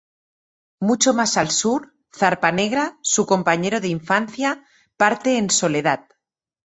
Mucho más al sur, Zarpa Negra, su compañero de infancia, parte en soledad.